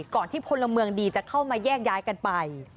ที่พลเมืองดีจะเข้ามาแยกย้ายกันไป